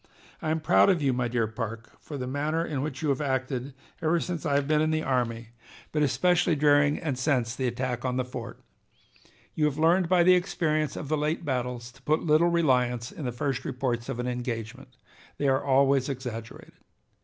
"I am proud of you, my dear Parke, for the manner in which you have acted ever since I have been in the army, but especially during and since the attack on the fort. You have learned by the experience of the late battles to put little reliance in the first reports of an engagement; they are always exaggerated.